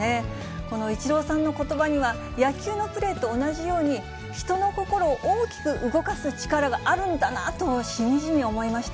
このイチローさんのことばには、野球のプレーと同じように人の心を大きく動かす力があるんだなと、しみじみ思いました。